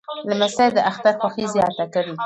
لمسی د اختر خوښي زیاته کړي.